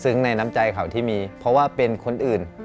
ในน้ำใจเขาที่มีเพราะว่าเป็นคนอื่น